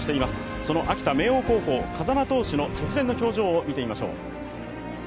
その秋田明桜高校・風間投手の直前の表情を見てみましょう。